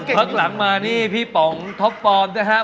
พักหลังมานี่พี่ป๋องท็อปปอมนะฮะ